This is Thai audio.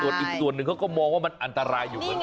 ส่วนอื่นเขาก็มองว่ามันอันตรายอยู่เหมือนกัน